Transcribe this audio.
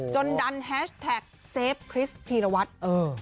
ดันแฮชแท็กเซฟคริสพีรวัตร